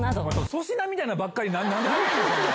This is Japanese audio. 粗品みたいなのばっかり、なんで。